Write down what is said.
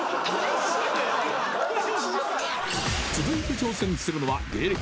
［続いて挑戦するのは］